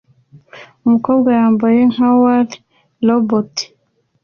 Umukobwa yambaye nka Wall-E robot